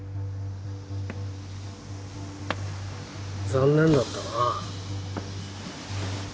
残念だったな。